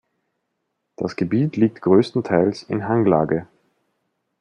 Das Gebiet liegt großteils in Hanglage.